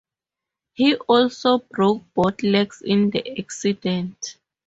He also broke both legs in the accident.